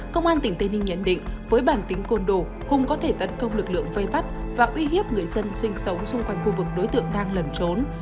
công an tỉnh tây ninh nhận định với bản tính côn đồ hùng có thể tấn công lực lượng vây bắt và uy hiếp người dân sinh sống xung quanh khu vực đối tượng đang lẩn trốn